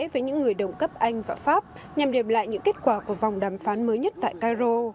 với những người đồng cấp anh và pháp nhằm đềm lại những kết quả của vòng đàm phán mới nhất tại cairo